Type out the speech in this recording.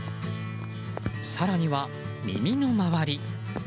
更には耳の周り。